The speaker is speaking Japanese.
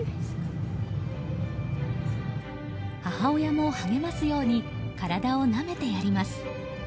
母親も励ますように体をなめてやります。